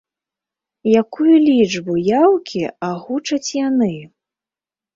Якую лічбу яўкі агучаць яны?